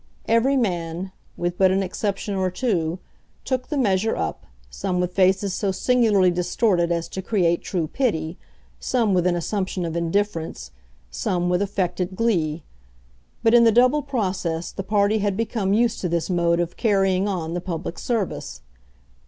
Every man, with but an exception or two, took the measure up, some with faces so singularly distorted as to create true pity, some with an assumption of indifference, some with affected glee. But in the double process the party had become used to this mode of carrying on the public service.